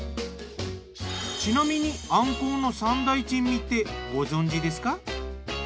ちなみにアンコウの三大珍味ってご存じですか？